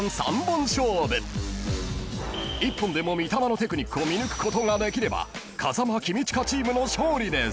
［１本でも巳碧のテクニックを見抜くことができれば風間公親チームの勝利です］